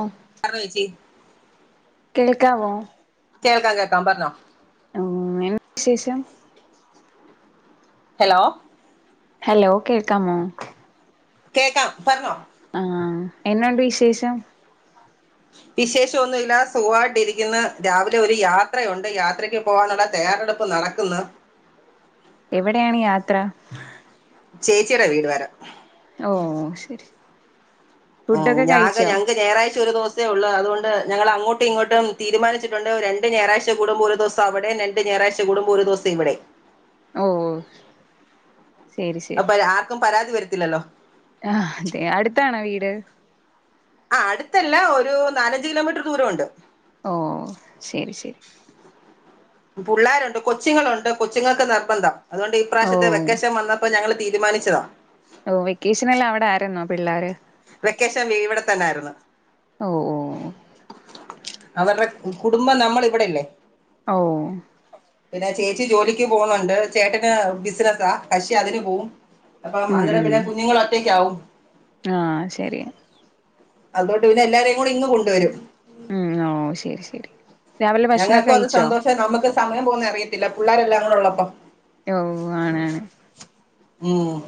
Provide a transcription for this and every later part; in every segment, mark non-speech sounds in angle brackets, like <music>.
ഓ പറ ഏച്ചി കേൾക്കാവോ? കേൾക്കാ കേക്കാം പറഞ്ഞോ ഓ എന്ത്‌ വിശേഷം ഹലോ ഹലോ കേക്കാമോ കേക്കാം പറഞ്ഞോ എന്നാ ഒണ്ട് വിശേഷം വിശേഷം ഒന്നുവില്ല സുഖായിട്ട് ഇരിക്കുന്ന് രാവിലെ ഒരു യാത്രയൊണ്ട് യാത്രക്ക് പോകാനൊള്ള തയ്യാറെടുപ്പ് നടക്ക്ന്ന് എവിടെയാണ് യാത്ര ചേച്ചിടെ വീട് വരെ ഓ ശരി ഉം ഫുഡൊക്കെ ഞാകെ കഴിച്ചോ ഞങ്ങക്ക് ഞായറാഴ്ച ഒരു ദിവസേ ഒള്ള് അതുകൊണ്ട് ഞങ്ങൾ അങ്ങോട്ടും ഇങ്ങോട്ടും തീരുമാനിച്ചിട്ടുണ്ട് രണ്ട് ഞായറാഴ്ച കൂടുമ്പോ ഒരു ദിവസം അവിടെയും. രണ്ട് ഞായാഴ്ച കൂടുമ്പോ ഒരു ദിവസം ഇവിടെയും. ഓ ശരി അ പര ആർക്കും പരാതി വര ത്തില്ലല്ലോ. ആ അതെ അടുത്താണോ വീട്? ആ അടുത്തല്ല ഒരു നാലഞ്ച് കിലോമീറ്റർ ദൂരം ഒണ്ട്. ഓ ശരി ശരി. പുള്ളാരുണ്ട് കൊച്ചുങ്ങളുണ്ട് കൊച്ചുങ്ങക്ക് നിർബന്ധം അതുകൊണ്ട് ഈ ഓ പ്രാവശ്യത്തെ വെക്കേഷൻ വന്നപ്പോ ഞങ്ങള് തീരുമാനിച്ചതാ ഓ വെക്കേഷനെല്ലാം അവിടെ ആരുന്നോ പിള്ളാര്. വെക്കേഷൻ ഇവിടെ തന്നാരുന്നു ഓ ഓ അവരുടെ കുടുംബം നമ്മൾ ഇവിടല്ലേ ഓ പിന്നെ ചേച്ചി ജോലിക്ക് പോണുണ്ട് ചേട്ടന് ബിസ്സനസ്സാ കക്ഷി അതിന് പോവും അപ്പം അന്നേരം പിന്നെ കുഞ്ഞുങ്ങൾ ഒറ്റക്ക് ആകും ആ ശരി അതുകൊണ്ട് പിന്നെ എല്ലാരേയും കൂടി ഇങ്ങ് കൊണ്ടുവരും ഉം ഓ ശരി ശരി രാവിലെ ഭക്ഷണൊക്കെ ഞങ്ങൾക്കും അത് കഴിച്ചോ സന്തോഷം നമുക്ക് സമയം പോകുന്ന അറിയത്തില്ല പുള്ളാരെല്ലാരും കൂടുള്ളപ്പം ഓ ആണ് ആണ് ഉം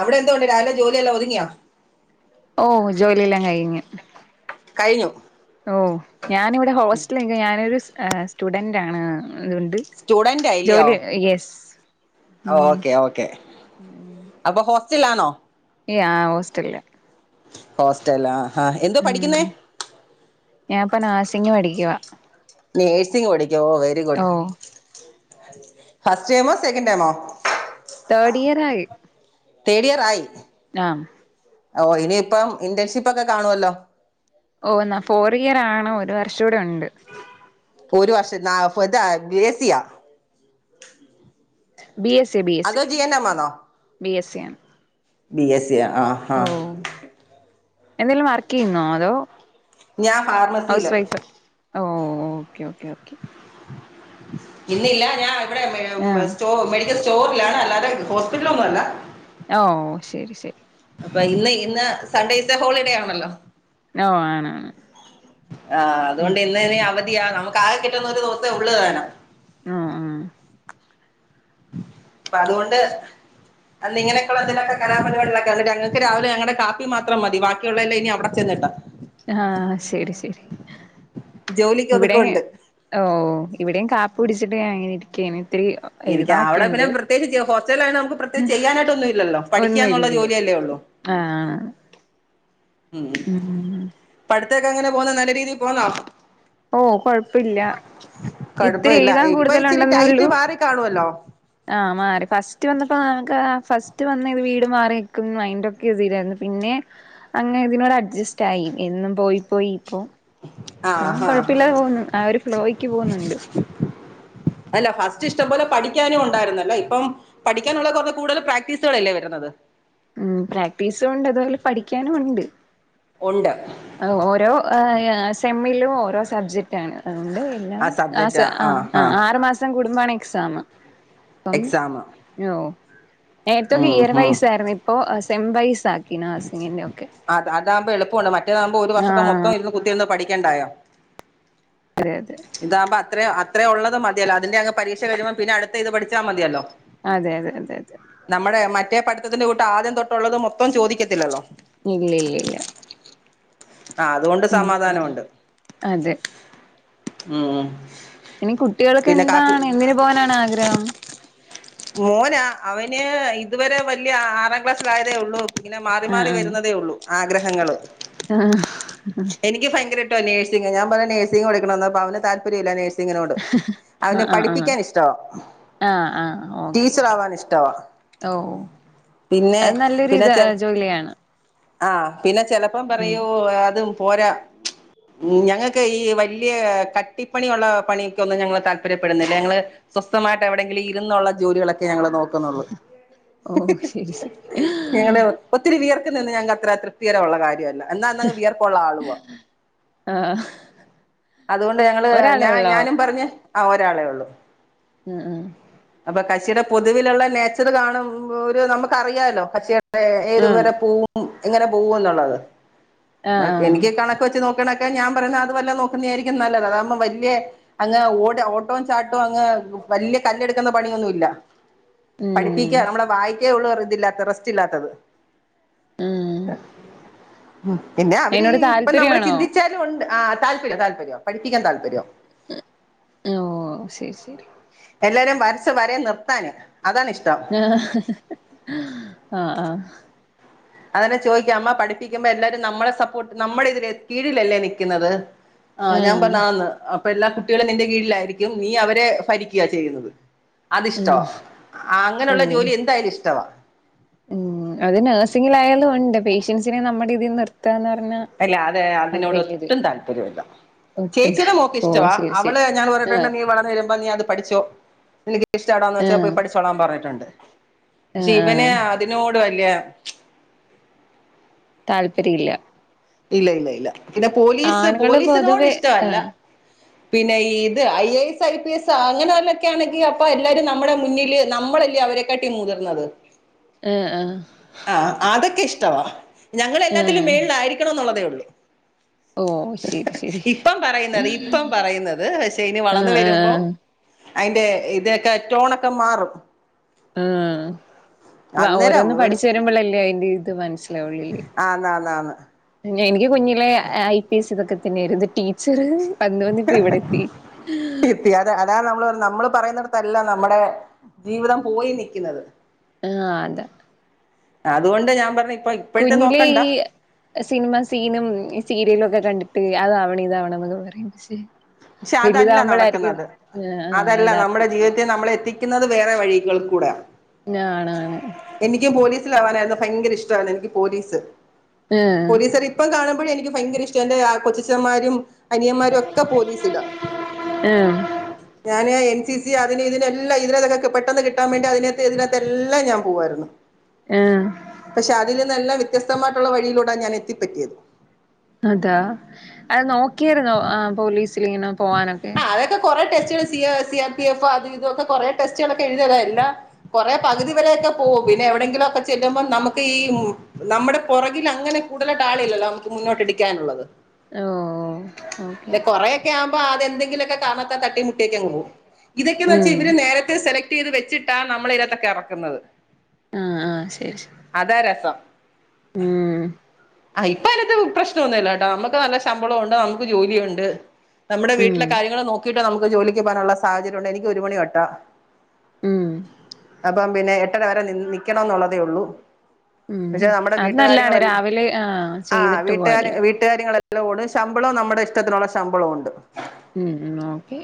അവിടെ എന്തൊണ്ട് രാവിലെ ജോലിയെല്ലാം ഒതുങ്ങിയോ? ഓ ജോലിയെല്ലാം കഴിഞ്ഞു. കഴിഞ്ഞു ഓ ഞാൻ ഇവിടെ ഹോസ്റ്റലി ഞാനൊരു സ് സ്റ്റുഡൻറ്റാണ് അതുകൊണ്ട് സ്റ്റുഡന്റ് ആയില്ലയോ ജോലി യെസ് ഉം ഓക്കെ ഓക്കെ അപ്പൊ ഹോസ് റ്റലിലാണോ? ഏ. ആ ഹോസ്റ്റലിലാ ഹോസ്റ്റല ആ എന്താ പഠിക്കുന്നേ? ഞാനിപ്പോ നേഴ്സിംഗ് പഠിക്കുവാ നേഴ്സിംഗ് പഠി യോ വെരി ഗുഡ് ഓ ഫസ്റ്റ് ടെമോ സെക്കൻ് ടെമോ? തേഡ് ഇയർ ആയി തേട് ഇയറായി ആ ഓ ഇനിയിപ്പം ഇന്റേൺഷിപ്പ് ഒക്കെ കാണുവല്ലോ ഓ ന്നാ ഫോർ ഇയർ ആകണം ഒരു വർഷം കൂടെ ഉണ്ട് ഒരു വർഷം <unintelligible> <unintelligible> പി എസി യോ ബി എസ് എ ബിഎസ് സ ആണോ ബി എസ് ആണ് ബി എസ് സി ആ ആഹാ ഓ എന്തെങ്കിലും വർക്ക് ചെയ്യുന്നോ അതോ ഞാൻ ഹൗസ് ഫാർമസിയില് വൈഫ് ഓ ഓക്കേ ഓക്കേ ഓക്കെ ഇന്നില്ല ഞാൻ ആ ഇവടെസ്റ്റോ മെഡിക്കൽ സ്റ്റോറിലാണ് അല്ല അതെ ഹോസ്പിറ്റല ഒന്നുംല്ല ഓഓ ശരി ശരി അപ്പൊ ഇന്ന് ഇന്ന് സൺഡേത്തെ ഹോളിഡേ ആണല്ലോ ഓ ആണ് ആ അതുകൊണ്ട് ഇന്നെ അവധിയ നമുക്ക് അകെകിട്ടുന്ന ഒരു ദിവസത്തെ ഉള്ളു തന ആ ആ അപ്പോ അതുകൊണ്ട് അത് ഇങ്ങനെയൊക്കെയ എതിനൊക്കെ കലാപരിപാടിയൊക്കെ ഞങ്ങൾക്ക് രാവിലെ ഞങ്ങളുടെ കാപ്പി മാത്രം മതി ബാക്കിയുള്ളെല്ലാം ഇനി അവിടെ ചെന്നിട്ടാ ആ ശരി ശരി ജോലിക്ക് ഇവിടെ ഒതുക്കുണ്ട് ഓ ഇവിടെയും കാപ്പി ക്കു ടിച്ചിട്ട് ഞ അങ്ങനെ ഇരിക്കുകാണ് ഇരിക്ക അവിടെ പിന്നെ പ്രത്യേകിച്ച് ഹോസ്റ്റല ആ നമുക്ക് പ്രത്യേകിച്ച് ചെയ്യാനായിട്ട്ന്നും ഇല്ലല്ലോ ഒന്നും പഠിക്കാന്നുള്ള ഇല്ലല്ലേ ജോലിയല്ലേ ഉള്ളു ആഹ് ഉം അത്തേക്ക് അങ്ങനെ പോക നല്ല രീതിൽ പോന്നോ ഓ കൊഴപ്പില്ല ഇത്ര കുഴപ്പമില്ല എഴുതാൻ ഇപ്പൊ കൂടുതല ഇച്ചിരി ഉണ്ടെന്നേ ടൈറ്റ് ഉള്ളൂ മാറി കാണുവല്ലോ ആ മാറി ഫസ്റ്റ് വന്നപ്പോ ഇപ്പൊ ഞങ്ങക്ഫസ്റ്റ് വീട് മാറി നിക്കും അയിന്റെഒക്കെ ഇതിയിലായിരുന്നു പിന്നെ അങ്ങനെ ഇതിനോട് അഡ്ജസ്റ്റ് ആയി എന്നും പോയി പോയി ഇപ്പോ ഇപ്പം ആഹ് ആഹ് കുഴപ്പമില്ലാതെ പോകുന്നു ആ ഒരു ഫ്ലോയ്ക്ക് പോകുന്നുണ്ട് അല്ല ഫസ്റ്റ് ഇഷ്ടംപലെ പഠിക്കാനും ഉണ്ടായിരുന്നല്ലോ ഇപ്പം പഠിക്കാനുള്ള കുറ കൂടുതൽ പ്രാക്ടീസുകളൾല്ലേ വരുന്നത് ഉം പ്രാക്ടീസും ഉണ്ട് അതുപോലെ പഠിക്കാനും ഉണ്ട് ഉണ്ട് ഓരോ സെമ്മിലും ഓരോ സബ്ജക്ട് സബ്ജക്റ്റ് അണ്അത്കൊണ്ട് എല്ലാം ആ സബ്ജക്റ്റാ ആഹ് ആഹ് ആറ് മാസ കുടു മണി എക്സാം തം എക്സാം <unintelligible> നേരത്തൊക്കെ ഉം ഇയർ ഉം വയസ്സായിരുന്നു ഇപ്പോ സെമ്പൈസാക്കി നാസിങ്ങിന്റെ ഒക്കെ അത അതാക്പോ എളുപ്പമാണ് മറ്റേ താമ്പോ ഒരു ആ വർഷത്തെ മൊത്തം ഇന്ന് കുത്തി ഇരുന്ന് പഠിക് ക്കെണ്ടായോ അതെ അതെ ഇതാവമ്പോ അത്രയും അത്ര ഉള്ളത് മതിയോ അതിന്റെ അങ് പരീക്ഷ കഴിയുമ്പം പിന്ന അടുത്ത ഇത് പഠിച്ചാ മതിയല്ലോ അതെ അതെ അതെ അതെ ത്തിന്റെ കൂട്ട് ആദ്യം തൊട്ടുള്ളത് മൊത്തം ചോദിക്കത്തില്ലല്ലോ ഇല്ലല്ലല്ല ആ അതുകൊണ്ട് സമാധാനമുണ്ട് അതെ ഉം ഉം ഇനി കുട്ടികൾക്ക് എന്താണ് എന്തിന് പോകാനാണ് ആഗ്രഹം മോന അവന് ഇതുവരെ വല്യ ആറാം ക്ലാസ്സിലായതേ ഉള്ളൂ ഇങ്ങനെ മാറി ആ മാറി ആ വരുന്നതേ ഉള്ളൂ ആഗ്രഹങ്ങൾ ആ ട്ടോ നേഴ്സിങ് ഞാൻ പറയും പടിക്കണോന്നു അപ്പൊ അവന് താല്പര്യില്ല നേഴ് സിങ്ങിനോട് അവന് ആ പഠിപ്പിക്കാൻ ഇഷ്ടവാ ഒക്കെ ടീച്ചർ ഓക്കെ ആവാൻ ഇഷ്ടവാ ഓ ഓ പിന്നെ അത് നല്ലൊരു ഇത് ജോലിയാണ് ആ പിന്നെ ചെലപ്പം ഉം പറയൂ അതും പോരാ ഞങ്ങക്ക് ഈ വലിയ കട്ടിപ്പണിയുള്ള പണിക്കൊന്നും ഞങ്ങൾ താല്പര്യപ്പെടുന്നില്ല ഞങ്ങള് സ്വസ്ഥമായിട്ട് എവിടെങ്കിലും ഇരുന്നുള്ള ജോലികളെ ഞങ്ങള് നോക്കുന്നുള്ളൂ ഓ ശരി ശരി ഞങ്ങള് ഒത്തിരി വിയർ <unintelligible> നിന്ന് ഞങ്ങക്ക് അത്ര തൃപ്കരമുള്ള കാര്യ എന്നാ എന്നങ് വിയർപ്പുള്ള ആളുവാ ആഹ് അതുകൊണ്ട് ഞങ്ങള് ഒരാളെ ഞാ ഉള്ളോ ഞാനും പറഞ്ഞെ ആ ഒരാളേ ഉള്ളൂ ആ ആ കച്ചിയുടെ പൊതുവിലുള്ള നേച്ചർ കാണുമ്പോ ഒരു നമുക്കറിയാലോ കച്ചിയുടെ ഉം ഏതുവരെ പൂവും എങ്ങനെ പോവൂന്നുള്ളത് ആഹ് പക്കെ ആഹ് എനിക്ക് കണക്ക വെച്ച് നോക്കണൊക്കെ ഞാൻ പറയന്ന് അത് വല്ലോം നോക് അത് തന്നെയായിരിക്കും നല്ലത് അതാകുമ്പം വല്യെ അങ്ങ് ഓട്ടോ ചാട്ടോ അങ്ങ് വല്യ കല്ലെട് ക്കുന്ന പണിയൊന്നു ഇല്ല ഉം പഠിപ്പിക്ക നമ്മുടെ വായിക്കേ ഉള്ളൂ റിസ് ക്കില്ലാത്ത റെസ്റ്റ് ഇല്ലാത്തത് ഉം പിന്നെ അവര് അയിനോട് ഇപ്പൊ നമ്മള് താല്പര്യാണോ ചിന്തിച്ചാലും ഉണ്ട് ആ താല്പര്യം താല്പര്യം പഠിപ്പിക്കാൻ താല്പര്യോ ഓ ശരി ശരി എല്ലാരേം വരച്ച വരേ നിർത്താന്. അതാണ് ഇഷ്ടം ആ ആ അത്കാരണം ചോദിക്കും അമ്മ പഠിപ്പിക്കുമ്പോ എല്ലാരും നമ്മളെ സപ്പോർട്ട് നമ്മുടെ ഇതില് കീഴിലല്ലേ നിക്കുന്നത്. ആഹ് ഞാൻ പറഞ്ഞ് ആന്ന്. ഇപ്പ എല്ലാ കുട്ടികളും നിന്റെ കീഴിലായിരിക്കും നീ അവരെ ഭരിക്ക്യാ ചെയ്യുന്നത്. ഉം അത്ഷ്ടവാ ഓ അങ്ങനെയുള്ള ജോലി എന്തായാലും ഇഷ്ടവാ ഉം അത് നഴ്സിങ്ങിലായാലും ഉണ്ട് പേഷ്യൻസിനെ നമ്മുടെ ഇതിൽ നിർത്ത അല്ല അതെ അതിനോട് ഒട്ടും താല്പര്യ ഇല്ല ഒട്ടും ചേച്ചിയുടെ മോക്ക് താല്പ ഓ ഇഷ്ടവാ ശരി ശരി അവള് ഞാൻ പറഞ്ഞിട്ടുണ്ട് ആഹ് നീ വളന്ന വരുമ്പ നീ അത് പഠിച്ചോ <unintelligible> ഇഷ്ടന്ന് വച്ചാപ്പോ ആഹ് പാടിച്ചോളൻ പറഞ്ഞട്ടുണ്ട് പക്ഷെ ആഹ് ഇവന് ആഹ് അതിനോടു വലിയ താല്പര്യല്ല ഇല്ല ഇല്ല ഇല്ല പിന്നെ പോലീസ് ആണുങ്ങള് പോലീസിനോട് പൊതുവെ ഇഷ്ടവല്ല ആഹ് പിന്നെ ഇത് I S I P S അങ്ങനെല്ലൊക്കെ ആണെങ്കി അപ്പൊ എല്ലാരും നമ്മുടെ മുന്നില് നമ്മളല്ലേ അവരെക്കാട്ടി മുതിർന്നത് ആ ആ ആ അദോക്കെ ഇഷ്ടവാ ഞങ്ങൾ എല്ലാത്തിലും ആഹ് മേളിലായിരിക്കണം എന്നുള്ളതേ ഓ ശരി ശരി <unintelligible> ഇപ്പം പറയുന്നത് ആഹ് ഇപ്പം പറയുന്നത് പക്ഷെ ഇനി വളർന്ന വരുമ്പം ആഹ് അതിൻ്റെ ഇതൊക്കെ റ്റോണൊക്കെ മാറും ഉം അന്നേരം ഓരോന്ന് ഒരു പഠിച്ച് കഴിയുമ്പോളല്ലേ അതിന്റെ ഇത് മനസ്സിലാവുള്ള് ആന്ന് ആന്ന് ആന്ന് ഈ <unintelligible> കുഞ്ഞിലെ ഐ പി എസ് ഇതൊക്കെ <unintelligible> വന്ന് വന്നിപ്പോ ഇവിടെത്തി എത്തി അതാ അതാ നമ്മള് പറഞ്ഞെ നമ്മള് പറയുന്നിടത്തല്ല നമ്മുടെ ജീവിതം പോയി നിക്കുന്നത് ആ അതെ ആ അതുകൊണ്ട് ഞാൻ പറഞ്ഞ് കുഞ്ഞിലെ ഈ സിനിമ സീനും സീരിയലും ഒക്കെ കണ്ടിട്ട് അതാവണം ഇതാവണം എന്നൊക്ക പറയും പക്ഷേ പക്ഷെ അതല്ല നടക്കുന്നത് ആഹ് ആഹ് അതല്ല നമ്മുടെ യഥാർത്ഥത്തില് ജീവിതത്തെ നമ്മൾ എത്തിക്കുന്നത് വേറെ വഴികൾ കൂടാ ആണാണ് എനിക്ക് പോലീസില് ആവാനായിരുന്നു ഭയങ്കര ഇഷ്ടമാണ് എനിക്ക് പോലീസ് ആഹ് പോലീസർ ഇപ്പം കാണുമ്പോഴ എനിക്ക് ഭയങ്കര ഇഷ്ട എന്റെ കൊച്ചച്ചന്മാരും അനിയമാരൊക്കെ പോലീസ് ആഹ് ഞാന് എൻ സി സി അതിന് ഇതിനെല്ലാം ഇതിനൊക്കെ പെട്ടെന്ന് കിട്ടാൻ വേണ്ടി അതിനകത്ത് ഇതിനകത്ത് എല്ലാം ഞാൻ പോവായിരുന്നു ആഹ് പക്ഷെ അതില്ന്നെല്ലാം വ്യത്യസ്തമായിട്ടുള്ള വഴിയിലൂടാ ഞാൻ എത്തിപ്പറ്റിയത് അതാ അത് നോ ക്കിയിരുന്നോ ആഹ് പോലീസ് ച്ചിലിങ്ങന പോവാനൊക്കെ റ്റ് സി ആഹ് സി ആർ പി എഫ് അത് ഇതൊക്കെ കൊറെ ടെസ്റ്റുകളൊക്കെ എഴുതിയതാ എല്ലാ കൊറെ പകുതി വരെയൊക്കെ പോവും പിന്നെ എവിടെയെങ്കിലും ഒക്കെ ചെല്ലുമ്പം നമുക്ക് ഈ നമ്മുടെ പുറകിലങ്ങനെ കൂടാലായിട്ടാളില്ലല്ലോ നമുക്ക് മുന്നോട്ടിരിക്കാനുള്ളത് ഓഹ് ഓഹ് ഓക്കെ അപ്പൊ ആദ്യ ഏതെങ്കിലൊക്കെ കാരണത്താ തട്ടി മുട്ടിയക്കങ്ങ് പോവും ഇതൊക്കെ വെച്ച് ഉം ഇവര് നേരത്തെ സെലക് റ്റ് ചെയ്ത് വെച്ചിട്ടാ നമ്മളിതിനാത്തൊക്കെ ഇറക്കുന്നത് ആഹ് ആഹ് ശരി ശ അതാ രസം ഉം ആഹ് ഇപ്പൊ എനക്ക് പ്രശ്നമൊന്നുമില്ലാട്ടോ നമ്മുക്ക് നല്ല ശമ്പളമുണ്ട് നമുക്ക് ജോലിയുണ്ട് നമ്മുടെ ഉം വീട്ടിലെ കാര്യങ്ങള് നോക്കിയി <unintelligible> ജോലിക്ക് പോകാനുള്ള സാഹചര്യംണ്ട് എനിക്ക് ഒരു മണി തൊട്ടാ ഉം അപ്പം പിന്നെ എട്ടര വരെ നിന്ന് നിക്കണന്ന് ഒള്ളതേയുള്ളു ഉം അത് നല്ലാണ് രാവിലെ ആ ചെയ്തിട്ട് പോയാല് അതിന്റെ കൂടെ ശമ്പളവും നമ്മുടെ ഇഷ്ടത്തിനുള്ള ശമ്പളവും ഉണ്ട് ഉം ഉ ഓക്കെ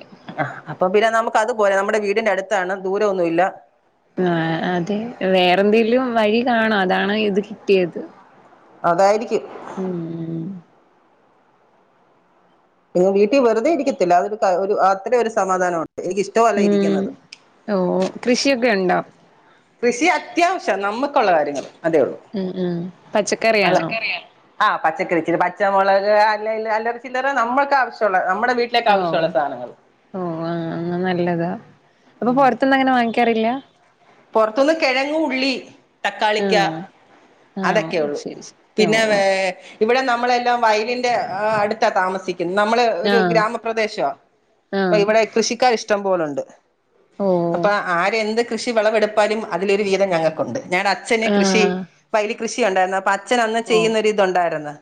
ഇപ്പൊ അത്പോലെ നമ്മുടെ വീടിന്റെ അടുത്താണ് ദൂരം ഒന്നും ഇല്ല ആ അതെ വേറെ എന്തെിലും വഴി കാണാംഅതാണ് ഇത് കിട്ടിയത് അതായിരിക്കും ഉം വീട്ടിൽ വെറുതെ ഇരിക്കത്തില്ല അതൊ ഒരു അത്ര ഒരു സമാധാനംണ്ട് ഉം ഓ കൃഷിയൊക്കെ ഉണ്ടോ കൃഷി അത്യാവശ്യം നമ്മക്കുള്ള കാര്യങ്ങള് അതേയോ ഉം ഉം പച്ചക്കറിയാണോ മലക്കറിയാ ആ പച്ചക്കറി ഇച്ചിരി പച്ച - പച്ചമുളക് അല്ല അല്ല ചില്ലറ നമ്മൾക്ക് ആവശ്യള്ള നമ്മടെ- ഓ ഓ അത നല്ലതാ അപ്പൊ പൊർത്തന്നങ്ങനെ വാങ്ങിക്കാറില്ല പൊർത്ത്ന്ന് കിഴങ്ങ്, ഉള്ളി, തക്കാളിക്ക ആഹ് ആഹ് അതെക്കെയൊള്ളൂ ശരി ശരി ഓ പിന്നെ ഓ വേ ഇവ നമ്മളെല്ലാം വയലിന്റെ അടുത്താ താമസി നമ്മള് ഒരു ആഹ് ഗ്രാമപ്രദേശമ അപ്പ ആഹ് ഇവിടെ കൃഷിക്കാർ ഇഷ്ടം പോലുണ്ട് ഓ <unintelligible> അപ്പൊ ആര് എന്തൊക്കെ ഷി വെളവെടുപ്പാലും അതിലൊരു വീതം ഞങ്ങൾക്കുണ്ട് ഞങ്ങടെ അച്ഛന് കൃഷി ആഹ് വയൽ കൃഷി ഉണ്ടായിരുന്നു അപ്പ അ അച്ഛൻ അന്ന് ഓ ചെയ്യുന്നൊരിതു ണ്ടായിരുന്നു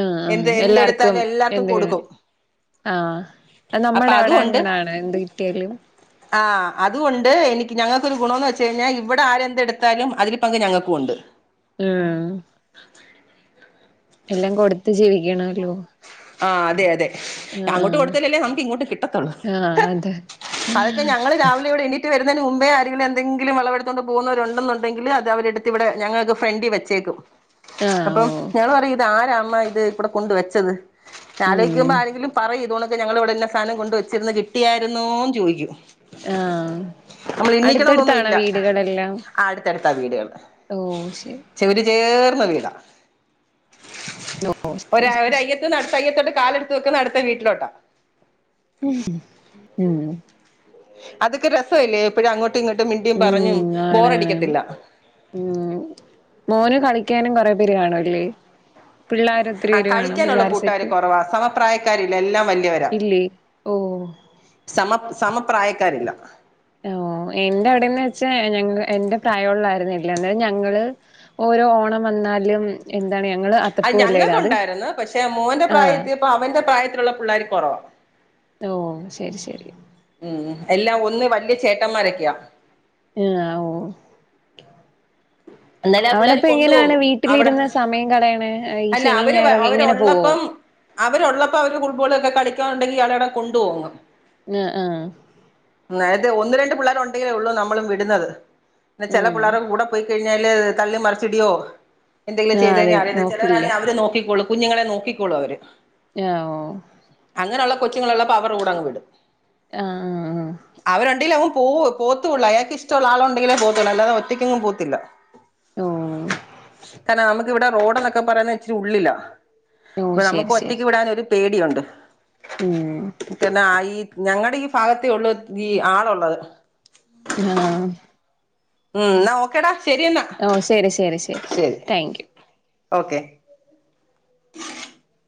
ആഹ് എന്ത് ആഹ് എല്ലാർക്കും എന്തെടുത്താലും എല്ലാർക്കും എന്ത് കൊടുക്കും ആഹ് അത് അപ്പ നമ്മടെ അതു അവിടെ ഒണ്ട് അങ്ങനാണ് എന്ത് കിട്ടിയാലും ആ അതു ഒണ്ട് എനി ഞങ്ങ ഒരു ഗുണംന്ന് വെച്ച് കഴിഞ്ഞാൽ ഇവടെ ആര് എന്തെടുത്താലും അതില് പങ്ക് ഞങ്ങക്കും ഉണ്ട് ആ എല്ലാം കൊടുത്ത് ജീവിക്കണല്ലോ ആ അതെ അതെ ആഹ് അങ്ങോട്ട് കൊടുത്താല്ലല്ലേ നമുക്ക് ഇങ്ങോട്ട് കിട്ടത്തുള്ളൂ ആഹ് ആഹ് അതെ അതൊക്കെ ഞങ്ങള് രാവിലെ ഇവിടെ എണീ റ്റ്‌ വരുന്നതിന് മുമ്പേ ആരെങ്കിലും എന്തങ്കിലും വെളവെടുത്തോണ്ട് പോകുന്നവരുണ്ടെന്നുണ്ടെങ്കില്അത് അവരെടുത്ത് ഇവിടെ ഞങ്ങൾക്ക് ഫ്രണ്ടി വെച്ചേക്കും ആഹ് അപ്പം ഓ ഞങ്ങള് പറയും ഇത് ആരാ അമ്മ ഇത് ഇവ്ടെ കൊണ്ട് വെച്ചത് ഉം ആലോയ്ക്കുമ്പ ആരെങ്കിലും പറയും ഇതോണ ഞങ്ങള് ഇവിടെ ഇന്ന സാധനം കൊണ്ട് വെച്ചിരുന്നു കിട്ടിയായിരുന്നോന്ന് ചോയിക്കും ആ അടുത്തടുത്താണോ വീടുകളെല്ലാം ത്താ വീടുകള് ഓ ശരി <unintelligible> വീടാ ഓ ഒരു ശെരി ശരി ശരി <unintelligible> കാലെടുത്ത് വെക്കുന്ന അട്ത്ത വീട്ടിലോട്ടാ ഉം അതൊക്കെ രസല്ലേ എപ്പഴും അങ്ങോ ങ്ങട്ടും ഇങ്ങോട്ടും മിണ്ടിയും പറഞ്ഞും ഉം ആണ് ആണ് ബോറടിക്കത്തില്ല ക്കാനും കൊറെ പേര് കാണുവല്ലേ ആ കളിക്കാനുള്ള കൂട്ടുകാര് കുറവാ സമപ്രായക്കാരില്ല എല്ലാം വലിയവരാ ഇല്ലേ ഓ സമ സമ പ്രായക്കാരില്ല ഓ എന്റെ അവിടെന്ന് വെച്ചാ ഞങ്ങ എന്റെ പ്രായമുള്ള ആരുമില്ല അതാ യത് ഞങ്ങള് ഓരോ ഓണം വന്നാലും എന്താണ് ഞങ്ങള് അ അത്തപ്പൂവല്ലേ ഇടാ ഞങ്ങൾക്ക് അത് ഉണ്ടാരുന്നു പക്ഷെ മോന്റെ പ്രായം ആഹ് എത്തിയപ്പോ അവന്റെ പ്രായത്തിലുള്ള പിള്ളാര് കുറവാ ഓ ശരി ശരി ഉം ഉം എല്ലാം ഒന്ന് വല്യ ചേട്ടന്മാരൊക്കെയാ ആ ഓ എന്നാലും ആ പിള്ളേർ അവനപ്പോ കൊണ്ടുപോകും എങ്ങനെയാണ് അവിടെ വീട്ടിലിരുന്ന് സമയം കളയണെ ഈ അല്ല ശനീം അവര് ഞായറൊക്കെ ഇങ്ങനെ പോവോ അവരുള്ളപ്പം അവരുള്ളപ്പോ അവര് ഫുട്ബോളൊക്കെ കളിക്കാൻ ഉണ്ടെങ്കിൽ അവരവിടെ കൊണ്ട് പോകും അ ആ നേരത്തെ ഒന്ന്, രണ്ട് പിള്ളേരുണ്ടെങ്കിലേ ഉ ള്ളൂ നമ്മളും വിടുന്നത്. ചെല ആഹ് പിള്ളാരെ കൂടെ പോയി കഴിഞ്ഞാല് തള്ളി മറിച്ചിടിയൊ എന്തെങ്കിലും ആഹ് ചെയ്ത് അതെ കഴിഞ്ഞാ അറിയത് നോക്കില്ല ചെലവരാന്നേ അവര് നോക്കിക്കോളും. കുഞ്ഞുങ്ങളെ നോക്കിക്കോളൂ അവര്. ന ഓ കൊച്ചുങ്ങള് ള്ളപ്പോ അവരെ കൂടങ്ങ് വിടും. ആഹ് ആഹ് ആഹ് അവരുണ്ടീലെ അ പോ പോത്തൂള്ളൂ. അയാക്ക് ഇഷ്ടമുള്ള ആളുണ്ടെങ്കിലേ പോത്തൂള്ളൂ അല്ലാതെ ഒറ്റക്കെങ്ങും പോത്തില്ല. ഓ <unintelligible> ഇവിടെ റോഡ് ന്നൊക്കെ പറയണ് ച്ചിരി ഉള്ളില. ഓ അപ്പോ ശരി നമുക്ക് ശരി ഒറ്റക്ക് വിടാൻ ഒരു പേടിയുണ്ട്. ഉം ക്കെന്ന ആയി. ഞങ്ങടെ ഈ ഫാഗത്തേ ഉള്ളൂ ഈ ആളു ള്ളത്. നാ ഉം ന്നാ ഓക്കേ ടാ- ഓ ശെരി ശരി ശരി താങ്ക് യു ഓക്കെ- <inaudible>